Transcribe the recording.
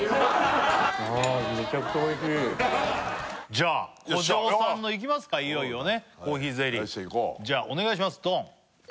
じゃあ古城さんのいきますかいよいよねコーヒーゼリーよっしゃいこうじゃあお願いしますドン！